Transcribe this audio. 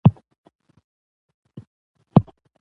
اسټرالیا په ټېسټ کرکټ کښي مشهوره ده.